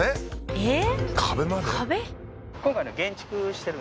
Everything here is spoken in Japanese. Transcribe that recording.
えっ？